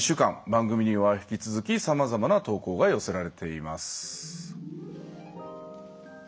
番組には引き続きさまざまな投稿が寄せられています。